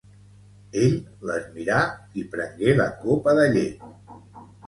Ell les mirà i prengué la copa de llet.